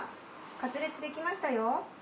カツレツ出来ましたよ。